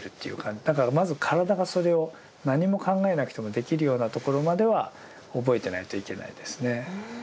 だからまず体がそれを何も考えなくてもできるようなところまでは覚えてないといけないですね。